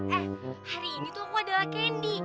eh hari ini tuh aku adalah candi